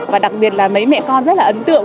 và đặc biệt là mấy mẹ con rất là ấn tượng